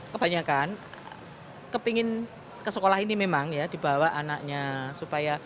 kepingin ke sekolah ini memang ya dibawa anaknya